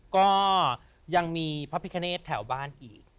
ก็ยังมีพระพิคเนธแถวบ้านอีก